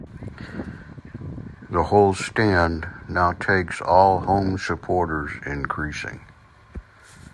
The whole stand now takes all home supporters increasing.